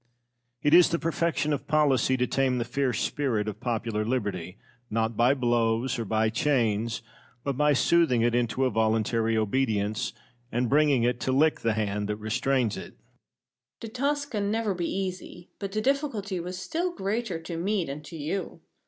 It is the perfection of policy to tame the fierce spirit of popular liberty, not by blows or by chains, but by soothing it into a voluntary obedience, and bringing it to lick the hand that restrains it. Pericles. The task can never be easy, but the difficulty was still greater to me than to you.